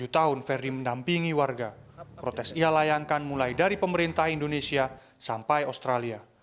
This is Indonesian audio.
tujuh tahun verdi mendampingi warga protes ia layangkan mulai dari pemerintah indonesia sampai australia